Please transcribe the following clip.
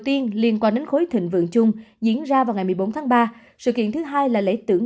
tiên liên quan đến khối thịnh vượng chung diễn ra vào ngày một mươi bốn tháng ba sự kiện thứ hai là lễ tưởng